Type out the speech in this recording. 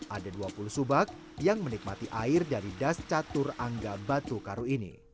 ada dua puluh subak yang menikmati air dari das catur angga batu karu ini